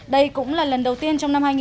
đây cũng là lần đầu tiên trong năm nay